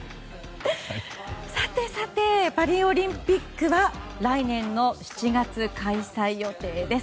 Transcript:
パリオリンピックは来年の７月開催予定です。